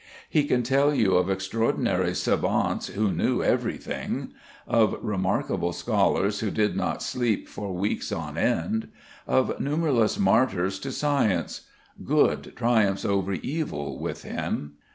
He can tell you of extraordinary savants who knew everything, of remarkable scholars who did not sleep for weeks on end, of numberless martyrs to science; good triumphs over evil with him.